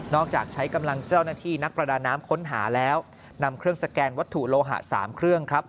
จากใช้กำลังเจ้าหน้าที่นักประดาน้ำค้นหาแล้วนำเครื่องสแกนวัตถุโลหะ๓เครื่องครับ